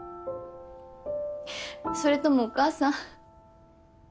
それともお母さん？